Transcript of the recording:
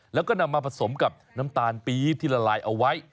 แล้วก็นำมาผสมกับน้ำตาลปี๊บที่ละลายเอาไว้